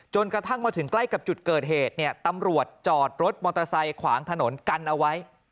กระทั่งมาถึงใกล้กับจุดเกิดเหตุเนี่ยตำรวจจอดรถมอเตอร์ไซค์ขวางถนนกันเอาไว้